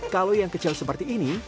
kalau yang kecil seperti ini